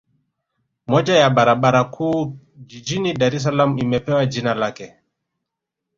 Moja ya barabara kuu jijini Dar es Salaam imepewa jina lake